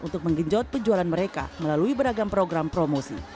untuk menggenjot penjualan mereka melalui beragam program promosi